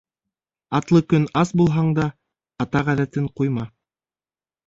Алты көн ас булһаң да, ата ғәҙәтен ҡуйма.